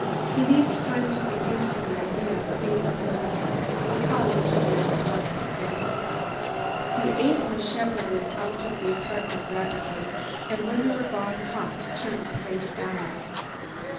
He needs time to get used to the idea of being a millionaire. I'll call each of you in the morning, okay?" The eight were shepherded out of the apartment rapidly, and when they were gone Hawkes turned to face Alan.